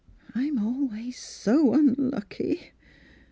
I'm always so unlucky."